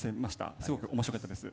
すごく面白かったです。